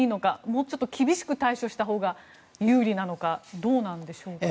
もうちょっと厳しく対処したほうが有利なのかどうなんでしょうか。